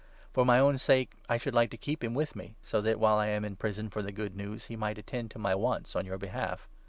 For 13 my own sake I should like to keep him with me, so that, while I am in prison for the Good News, he might, attend to my wants on your behalf.